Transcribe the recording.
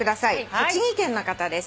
栃木県の方です。